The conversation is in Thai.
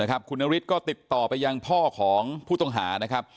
คุณธริตก็ติดต่อไปยังท่อของพฤตงหา